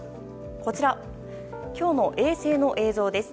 こちら、今日の衛星の映像です。